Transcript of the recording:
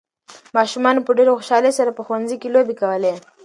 ماشومانو په ډېرې خوشالۍ سره په ښوونځي کې لوبې کولې.